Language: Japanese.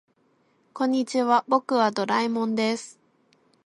こんにちは、僕はドラえもんです。